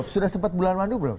sudah sempat bulan madu belum